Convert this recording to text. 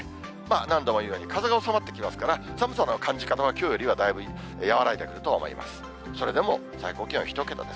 何度も言うように、風が収まってきますから、寒さの感じ方はきょうよりはだいぶ和らいでくると思います。